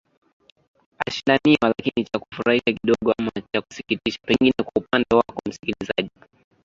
ashindaniwa lakini cha kufurahisha kidogo ama cha kusikitisha pengine kwa upande wako msikilizaji